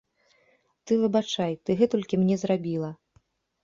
Ты выбачай, ты гэтулькі мне зрабіла!